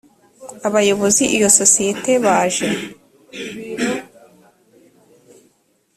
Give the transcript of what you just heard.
abayobozi iyo sosiyete baje